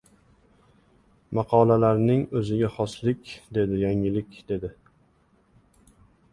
Maqolalarni o‘ziga xoslik, dedi, yangilik, dedi.